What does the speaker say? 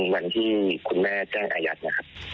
วันที่คุณแม่แจ้งอายัดนะครับ